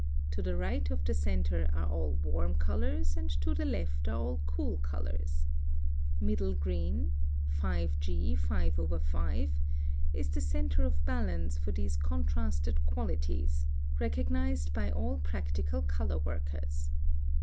To the right of the centre are all warm colors, and to the left are all cool colors. Middle green (5G 5/5) is the centre of balance for these contrasted qualities, recognized by all practical color workers.